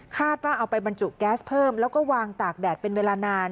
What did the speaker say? เอาไปบรรจุแก๊สเพิ่มแล้วก็วางตากแดดเป็นเวลานาน